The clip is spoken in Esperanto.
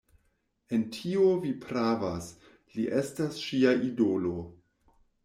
En tio vi pravas; li estas ŝia idolo...